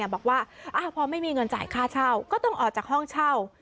บอกว่าพอไม่มีเงินจ่ายค่าเช่าก็ต้องออกจากห้องเช่า